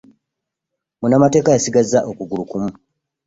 Munaamateeka yasigaza okugulu kumu.